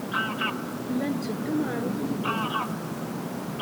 Llan tteddun ɣer uxeddim.